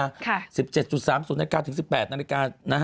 ๑๗๓๐นาฬิกาถึง๑๘นาฬิกา